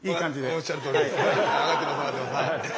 おっしゃるとおりです。